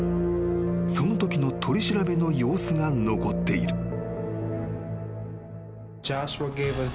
［そのときの取り調べの様子が残っている］